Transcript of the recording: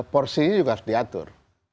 porsinya juga harus diatur